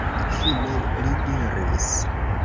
Fine li diris: